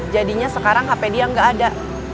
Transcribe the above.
jadinya sekarang hp dia nggak ada